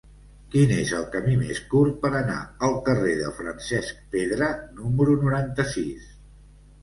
Quin és el camí més curt per anar al carrer de Francesc Pedra número noranta-sis?